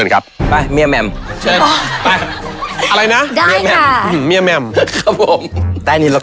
ไปโมง่าน